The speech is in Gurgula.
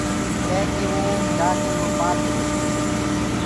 ڪي ڪي وو جآڪي اُرو پآر چيلو گو۔